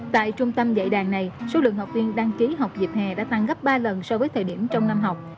tại trung tâm dạy đàn này số lượng học viên đăng ký học dịp hè đã tăng gấp ba lần so với thời điểm trong năm học